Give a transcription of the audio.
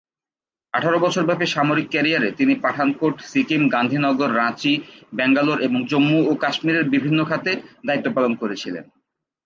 আঠারো বছর ব্যাপী সামরিক ক্যারিয়ারে তিনি পাঠানকোট, সিকিম, গান্ধীনগর, রাঁচি, ব্যাঙ্গালোর এবং জম্মু ও কাশ্মীরের বিভিন্ন খাতে দায়িত্ব পালন করেছিলেন।